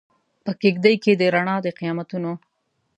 په کیږدۍ کې د روڼا د قیامتونو